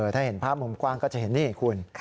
ถ้าเห็นภาพมุมกว้างก็จะเห็นนี่คุณ